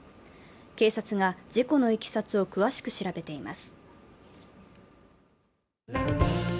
警察が事故のいきさつを詳しく調べています。